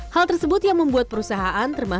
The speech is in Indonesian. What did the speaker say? hal tersebut yang membuat perusahaan terpaksa